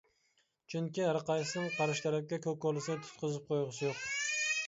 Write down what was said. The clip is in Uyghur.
چۈنكى ھەرقايسىنىڭ قارشى تەرەپكە كوكۇلىسىنى تۇتقۇزۇپ قويغۇسى يوق.